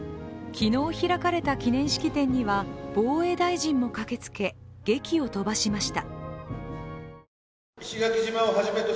昨日開かれた記念式典には防衛大臣も駆けつけ、げきを飛ばしました。